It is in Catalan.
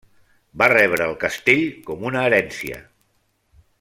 Va rebre el castell com una herència.